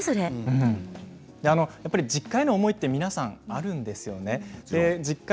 実家への思いって皆さんあるんですよね。